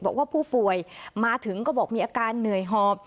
บอกว่าผู้ป่วยมาถึงก็บอกมีอาการเหนื่อยหอบ